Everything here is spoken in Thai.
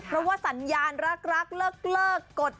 แล้วสัญญาณรักเลิกกด